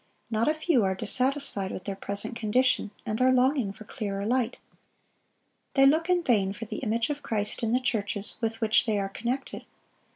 Not a few are dissatisfied with their present condition, and are longing for clearer light. They look in vain for the image of Christ in the churches with which they are connected.